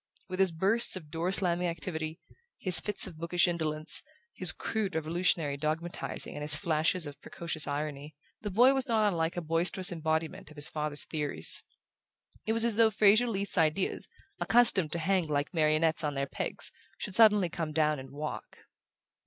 With his bursts of door slamming activity, his fits of bookish indolence, his crude revolutionary dogmatizing and his flashes of precocious irony, the boy was not unlike a boisterous embodiment of his father's theories. It was as though Fraser Leath's ideas, accustomed to hang like marionettes on their pegs, should suddenly come down and walk.